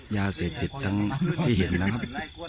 ยาเสพติดทั้งที่เห็นนะครับ